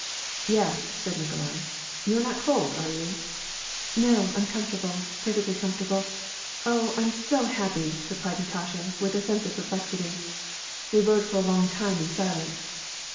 " Yes," said Nikolai. " You are not cold, are you ?" "No, I'm comfortable, perfectly comfortable. Oh, Fm so happy !'' replied Natasha, with a sense of perplexity. They rode for a long time in silence.